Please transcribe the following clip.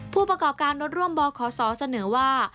ผู้ประกอบการรถร่วมบขศเสนอว่า